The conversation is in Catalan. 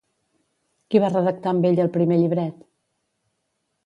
Qui va redactar amb ella el primer llibret?